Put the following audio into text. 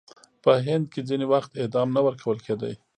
په هند کې ځینې وخت اعدام نه ورکول کېده.